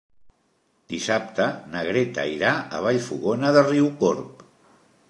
Dissabte na Greta irà a Vallfogona de Riucorb.